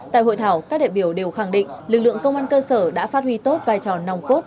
tại hội thảo các đại biểu đều khẳng định lực lượng công an cơ sở đã phát huy tốt vai trò nòng cốt